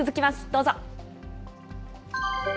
どうぞ。